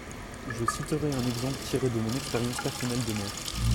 Je citerai un exemple tiré de mon expérience personnelle de maire.